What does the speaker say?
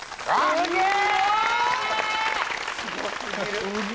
・すげえ！